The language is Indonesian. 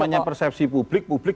namanya persepsi publik